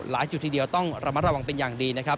หลายจุดที่เดียวต้องระมัดระวังเป็นอย่างดี